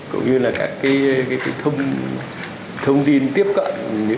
cũng như là các cái thông tin tiếp cận